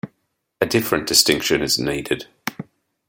A different distinction is needed.